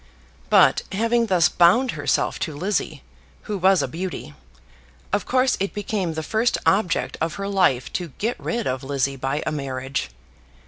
But, having thus bound herself to Lizzie, who was a beauty, of course it became the first object of her life to get rid of Lizzie by a marriage.